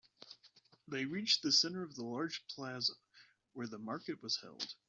They reached the center of a large plaza where the market was held.